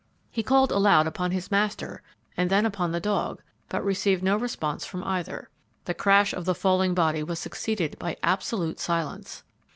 He called aloud upon his master and then upon the dog, but received no response from either. The crash of the falling body was succeeded by absolute silence.